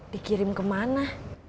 dikirim ke mana